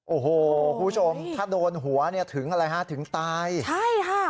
โอ้โหผู้ชมถ้าโดนหัวถึงตายใช่ค่ะ